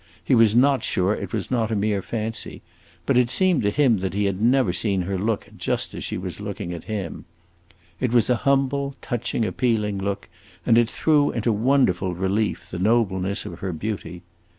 He was not sure it was not a mere fancy, but it seemed to him that he had never seen her look just as she was looking then. It was a humble, touching, appealing look, and it threw into wonderful relief the nobleness of her beauty.